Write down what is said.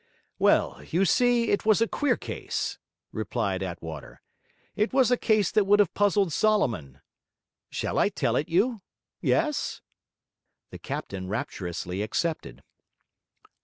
'Well, you see, it was a queer case,' replied Attwater, 'it was a case that would have puzzled Solomon. Shall I tell it you? yes?' The captain rapturously accepted.